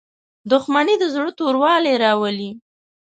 • دښمني د زړه توروالی راولي.